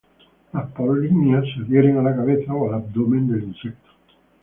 Las polinias se adhieren a la cabeza o al abdomen del insecto.